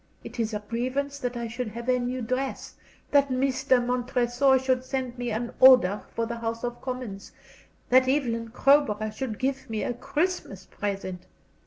It is a grievance that I should have a new dress, that Mr. Montresor should send me an order for the House of Commons, that Evelyn Crowborough should give me a Christmas present.